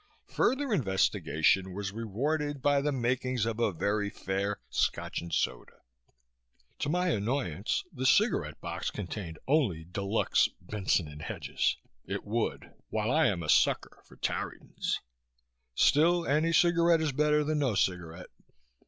Further investigation was rewarded by the makings of a very fair Scotch and soda. To my annoyance, the cigarette box contained only de luxe Benson & Hedges it would! while I am a sucker for Tareytons. Still, any cigarette is better than no cigarette.